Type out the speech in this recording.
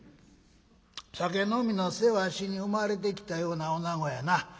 酒飲みの世話しに生まれてきたようなおなごやな。